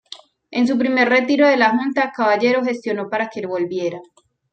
En su primer retiro de la Junta, Caballero gestionó para que volviera.